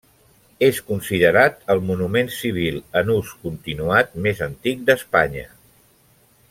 És considerat el monument civil en ús continuat més antic d'Espanya.